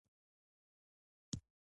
هغه وايي چې ما په دې توکو ارزښت زیات کړ